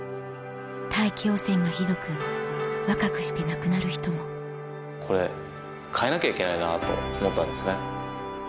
大気汚染がひどく若くして亡くなる人もこれ変えなきゃいけないなと思ったんですね。